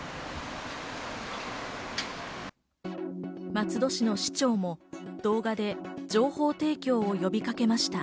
松戸市の市長も動画で情報提供を呼びかけました。